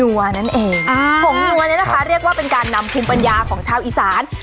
ว่าเป็นการนำชุมปัญญาของชาวอีสาน